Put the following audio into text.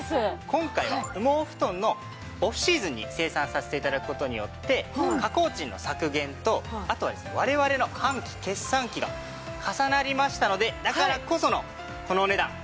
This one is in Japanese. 今回は羽毛布団のオフシーズンに生産させて頂く事によって加工賃の削減とあとは我々の半期決算期が重なりましたのでだからこそのこのお値段となっております。